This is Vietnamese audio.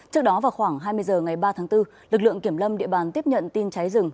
trước đó vào khoảng hai mươi h ngày ba tháng bốn lực lượng kiểm lâm địa bàn tiếp nhận tin cháy rừng